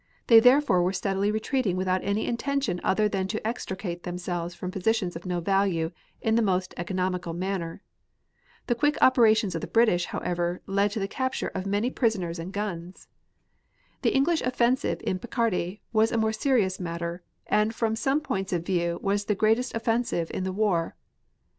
They therefore were steadily retreating without any intention other than to extricate themselves from positions of no value, in the most economical manner. The quick operations of the British, however, led to the capture of many prisoners and guns. The English offensive in Picardy was a more serious matter, and from some points of view was the greatest offensive in the war.